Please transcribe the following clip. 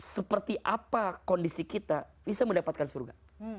seperti apa kondisi kita bisa mendapatkan surga